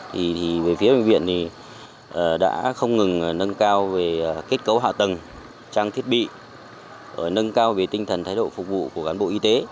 thì về phía bệnh viện thì đã không ngừng nâng cao về kết cấu hạ tầng trang thiết bị nâng cao về tinh thần thái độ phục vụ của cán bộ y tế